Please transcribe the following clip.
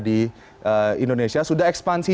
di indonesia sudah ekspansi